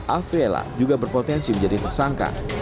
afriela juga berpotensi menjadi tersangka